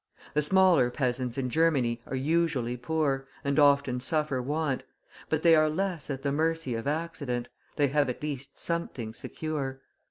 The smaller peasants in Germany are usually poor, and often suffer want, but they are less at the mercy of accident, they have at least something secure.